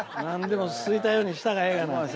何でも好いたようにしたらええがな。